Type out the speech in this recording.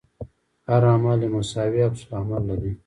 هر عمل یو مساوي عکس العمل لري.